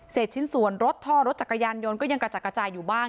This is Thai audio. ชิ้นส่วนรถท่อรถจักรยานยนต์ก็ยังกระจัดกระจายอยู่บ้าง